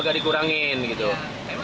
agak dikurangin gitu